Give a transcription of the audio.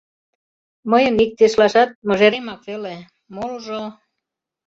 Мыйын иктешлашат — мыжеремак веле... молыжо...